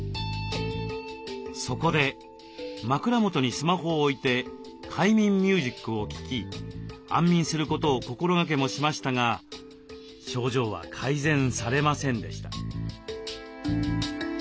そこで枕元にスマホを置いて快眠ミュージックを聞き安眠することを心がけもしましたが症状は改善されませんでした。